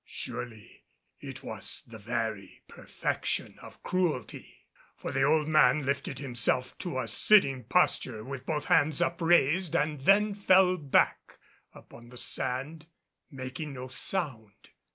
Surely it was the very perfection of cruelty; for the old man lifted himself to a sitting posture with both hands upraised and then fell back upon the sand making no sound.